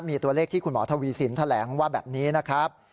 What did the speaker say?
มีตัวเลขที่คุณหมอทวีสินแถลงว่าแบบนี้นะครับ